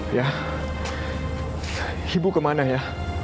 ayah ibu kemana ya